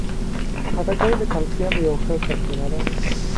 خټکی د کلسیم یوه ښه سرچینه ده.